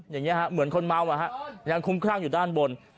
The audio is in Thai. อย่างนี้ฮะเหมือนคนเมายังคุ้มครั่งอยู่ด้านบน